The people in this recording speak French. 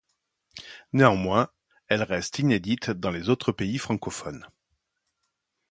Néanmoins, elle reste inédite dans les autres pays francophones.